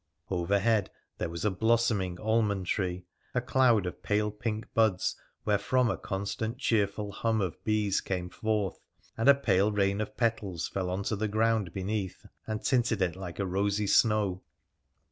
Overhead, there was a blossoming almond tree, a cloud of pale pink buds wherefrom a constant cheerful hum of bees came forth, and a pale rain of petals fell on to the ground beneath and tinted it like a rosy snow.